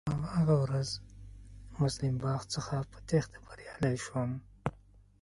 په هماغه ورځ مسلم باغ څخه په تېښته بريالی شوم.